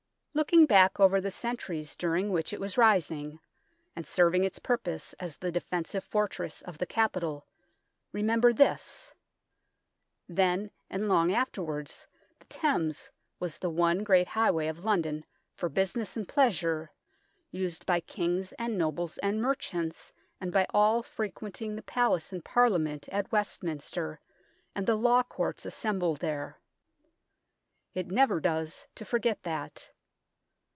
Looking back over the centuries during which it was rising, and serving its purpose as the defensive fortress of the capital, remember this. Then, and long afterwards, the Thames was the one great highway of London for business and pleasure, used by King and nobles and merchants, and by all frequenting the Palace and Parliament at Westminster and the law courts assembled there. It never does to forget that.